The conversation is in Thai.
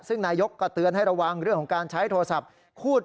ซึ่งนายกก็เตือนให้ระวังเรื่องของการใช้โทรศัพท์